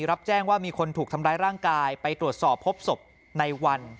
รับแจ้งว่ามีคนถูกทำร้ายร่างกายไปตรวจสอบพบศพในวัน